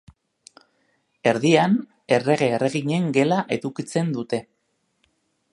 Erdian errege-erreginen gela edukitzen dute.